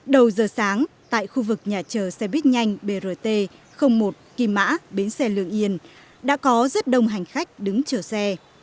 đầu giờ sáng tại khu vực nhà chờ xe buýt nhanh brt một kim mã bến xe lương yên đã có rất đông hành khách đứng chờ xe